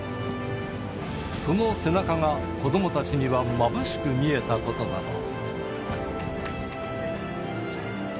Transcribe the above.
その背中が子どもたちにはまぶしく見えたことだろう。